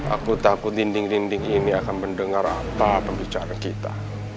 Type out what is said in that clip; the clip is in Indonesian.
aku takut dinding dinding ini akan mendengar apa pembicaraan kita